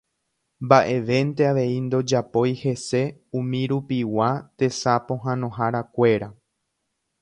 Mba'evénte avei ndojapói hese umirupigua tesapohãnoharakuéra.